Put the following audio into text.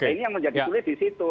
ini yang menjadi sulit disitu